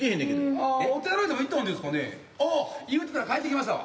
あっ言うてたら帰ってきましたわ。